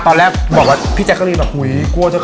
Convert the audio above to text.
แป๊บว่านุนครับ